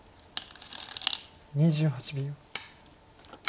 ２８秒。